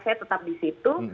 saya tetap di situ